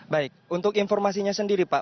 baik untuk informasinya sendiri pak